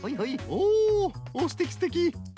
おおっすてきすてき。